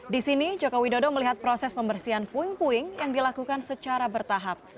di sini joko widodo melihat proses pembersihan puing puing yang dilakukan secara bertahap